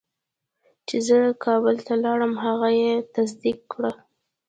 چې زه کابل ته لاړم هغه یې تصدیق کړه.